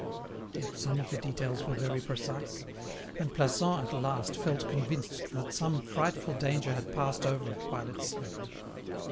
Yet some of the details were very precise; and Plassans at last felt convinced that some frightful danger had passed over it while it slept.